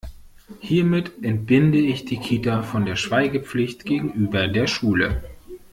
Hiermit entbinde ich die Kita von der Schweigepflicht gegenüber der Schule.